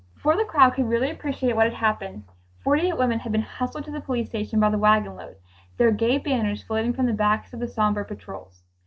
Before the crowd could really appreciate what had happened, forty eight women had been hustled to the police station by the wagon load, their gay banners floating from the backs of the somber patrols.